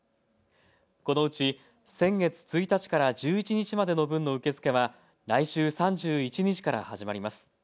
このうち先月１日から１１日までの分の受け付けは来週３１日から始まります。